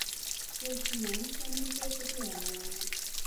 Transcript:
یو چینايي شنونکی په دې اړه وايي.